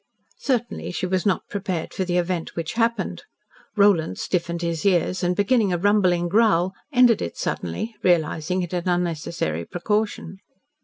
Certainly she was not prepared for the event which happened. Roland stiffened his ears, and, beginning a rumbling growl, ended it suddenly, realising it an unnecessary precaution.